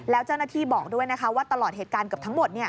แล้วเจ้าหน้าที่บอกด้วยนะคะว่าตลอดเหตุการณ์เกือบทั้งหมด